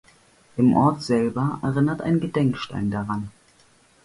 Im Ort selber erinnert ein Gedenkstein daran.